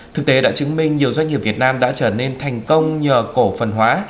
thực tế đã chứng minh nhiều doanh nghiệp việt nam đã trở nên thành công nhờ cổ phần hóa